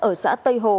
ở xã tây hồ